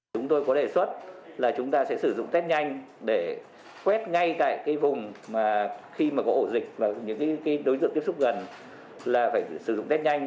chúng tôi có đề xuất là chúng ta sẽ sử dụng test nhanh để quét ngay tại vùng khi mà có ổ dịch và những đối tượng tiếp xúc gần là phải sử dụng test nhanh